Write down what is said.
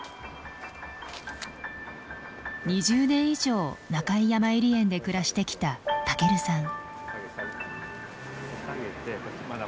２０年以上中井やまゆり園で暮らしてきたたけるさん。